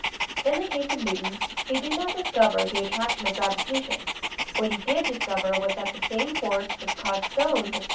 In the case of Newton, he did not discover " the attraction of gravitation"; what he did discover was that the same force which caused stones, etc.